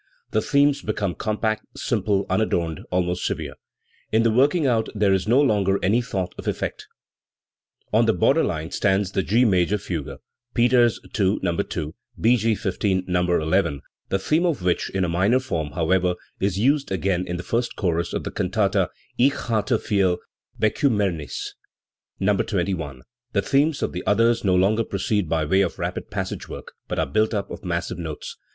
The themes become compact, simple, unadorned, almost severe; in the working out there is no longer any thought of effect. On the border line stands the G major fugue (Peters II, No. 2; B. G. XV, No. n), the theme of which, in a minor form, however, is used again in the first chorus of the cantata Ich hatte viel Bekiimmernis (No, 21). The themes of the others no longer proceed by way of rapid passage work, but are built up of massive notes.